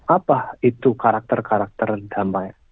apa itu karakter karakter damai